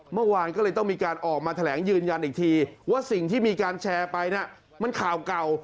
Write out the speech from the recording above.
เมื่อวานก็เลยต้องมีการออกมาแถลงยืนยันอีกทีว่าสิ่งที่มีการแชร์ไปน่ะมันข่าวเก่า